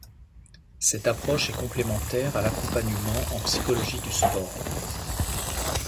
Cette approche est complémentaire à l’accompagnement en psychologie du sport.